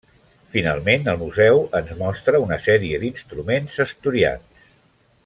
Finalment el museu ens mostra una sèrie d'instruments asturians.